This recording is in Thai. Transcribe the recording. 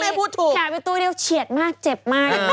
เจ็บค่ะพีศกลายไปตู้เลี่ยวเฉียดมากเจ็บมาก